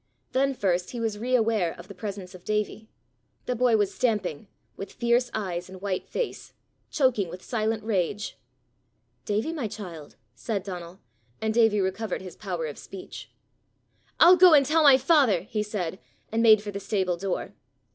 Then first he was re aware of the presence of Davie. The boy was stamping with fierce eyes and white face choking with silent rage. "Davie, my child!" said Donal, and Davie recovered his power of speech. "I'll go and tell my father!" he said, and made for the stable door.